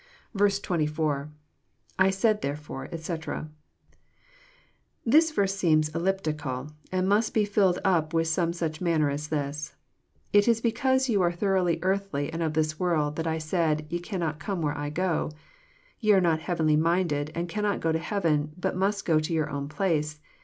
24.— [/«aid therefore, etc,'] This verse seems elliptical, and must be filled up in some such manner as this :It is because you are thoroughly earthly and of this world, that I said, Te cannot come where 1 go. You are not heavenly minded, and cannot go to heaven, but must go to your own place.